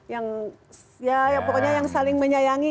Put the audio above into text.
yang ya pokoknya yang saling menyayangi